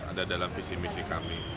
ada dalam visi misi kami